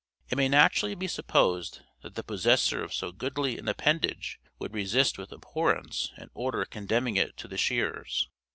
It may naturally be supposed that the possessor of so goodly an appendage would resist with abhorrence an order condemning it to the shears.